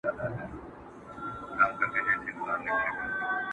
ورپسې د لويو لويو جنرالانو٫